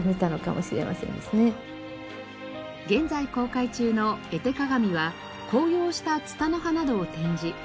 現在公開中の絵手鑑は紅葉した蔦の葉などを展示。